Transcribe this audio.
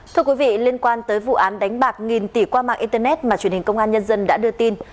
thưa quý vị liên quan tới vụ án đánh bạc nghìn tỷ qua mạng internet mà truyền hình công an nhân dân đã đưa tin